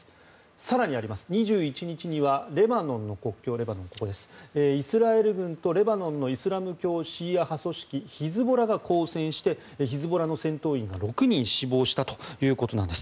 更に、２１日にはレバノンの国境イスラエル軍とレバノンのイスラム教シーア派組織ヒズボラが交戦して、ヒズボラの戦闘員が６人死亡したということです。